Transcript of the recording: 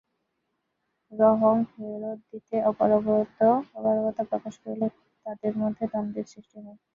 রহম ফেরত দিতে অপারগতা প্রকাশ করলে তাঁদের মধ্যে দ্বন্দ্বের সৃষ্টি হয়।